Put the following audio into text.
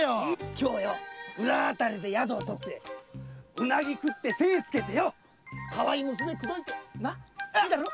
今日は浦和あたりで宿を取ってウナギ食って精つけてかわいい娘口説いてないいだろ？